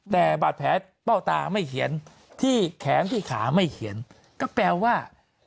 แต่บาดแผลเป้าตาไม่เขียนที่แขนที่ขาไม่เขียนก็แปลว่า